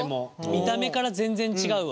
見た目から全然違うわ。